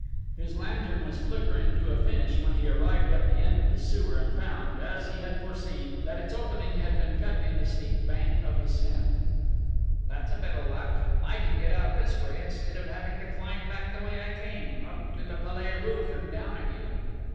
His lantern was flickering to a finish when he arrived at the end of the sewer and found, as he had foreseen, that its opening had been cut in the steep bank of the Seine: "That's a bit of luck! I can get out this way instead of having to climb back the way I came, up to the Palais roof and down again!"